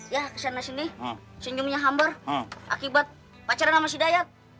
ya kesana sini senyumnya hambar akibat pacaran sama si dayat